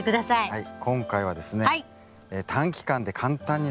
はい。